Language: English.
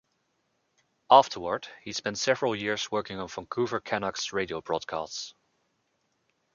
Afterward, he spent several years working on Vancouver Canucks radio broadcasts.